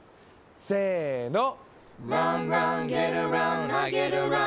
せの。